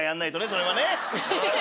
それはね。